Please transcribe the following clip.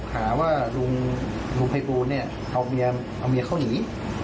หาว่าลุงภัยบูลเนี่ยเอาเมียเขาหนี